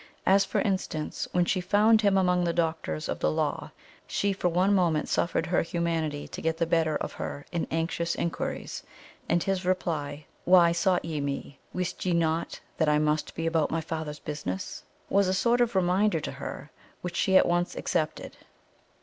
As for instance, when she found Him among the doctors of the law, she for one moment suffered her humanity to get the better of her in anxious inquiries; and His reply, 'Why sought ye Me? Wist ye not that I must be about My Father's business?' was a sort of reminder to her, which she at once accepted.